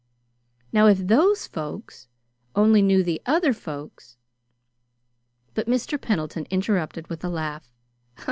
Now if THOSE folks only knew the other folks " But Mr. Pendleton interrupted with a laugh.